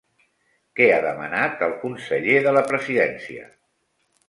Què ha demanat el conseller de la Presidència?